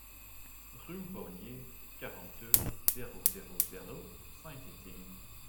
Rue Beaunier, quarante-deux, zéro zéro zéro Saint-Étienne